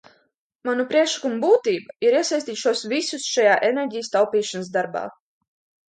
Manu priekšlikumu būtība ir iesaistīt šos visus šajā enerģijas taupīšanas darbā.